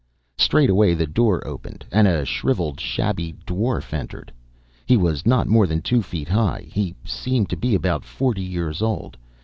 Straightway the door opened, and a shriveled, shabby dwarf entered. He was not more than two feet high. He seemed to be about forty years old.